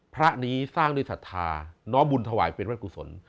พระนี้สร้างด้วยศรัทธาน้อมบุญถวายเป็นวัดกุศล